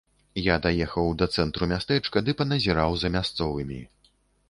Я даехаў да цэнтру мястэчка ды паназіраў за мясцовымі.